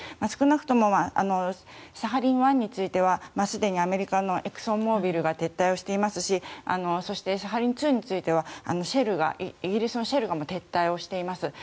少なくともサハリン１についてはすでにアメリカのエクソンモービルが撤退をしていますしそしてサハリン２についてはイギリスのシェルが撤退をしています。